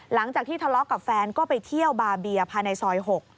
หลังจากที่ทะเลาะกับแฟนก็ไปเที่ยวบาเบียภายในซอย๖